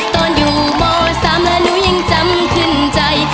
ตอนอยู่ม๓แล้วหนูยังจำขึ้นใจ